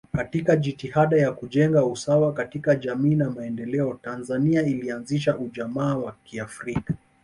Katika jitihada ya kujenga usawa katika jamii na maendeleo Tanzania ilianzisha ujamaa wa kiafrika